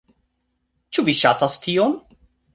Ĉu vi ŝatas tion?